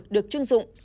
được chưng dụng